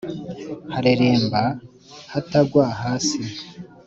hareremba, hatagwa hasi